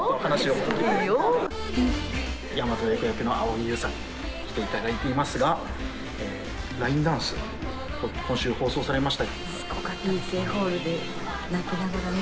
ブギウギであの方から蒼井優さんに来ていただいていますがラインダンス今週放送されました。